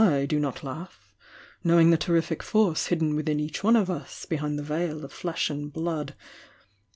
do not laugh, knowing the terrific force hidden withm each one of us, behind the veil of flesh and blood.